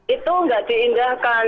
itu gak diindahkan